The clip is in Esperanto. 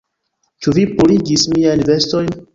Ĉu vi purigis miajn vestojn?